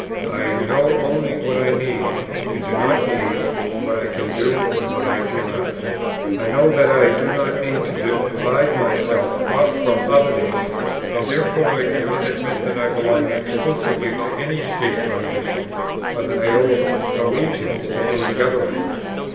I know only what I need and do not need, what I can do and what I cannot. I know that I do not need to divide myself off from other nations, and therefore I cannot admit that I belong exclusively to any state or nation, or that I owe allegiance to any government.